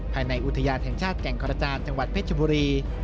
ภายในอุทยานแห่งชาติแก่งกระจานจังหวัดเพชรบุรี